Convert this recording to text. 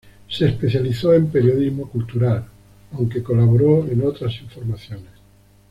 Se especializó en periodismo cultural, aunque colaboró en otras informaciones.